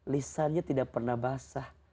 lisanya tidak pernah basah